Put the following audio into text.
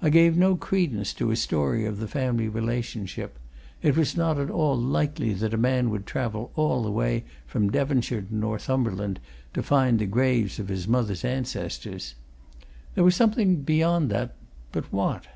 I gave no credence to his story of the family relationship it was not at all likely that a man would travel all the way from Devonshire to Northumberland to find the graves of his mother's ancestors. There was something beyond that but what?